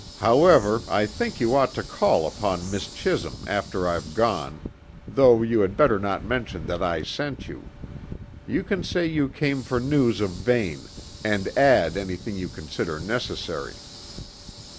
However, I think you ought to call upon Miss Chisholm, after I've gone, though you had better not mention that I sent you. You can say you came for news of Vane and add anything you consider necessary."